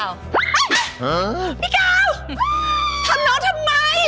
อ้าวพี่ก้าวทำน้องทำไม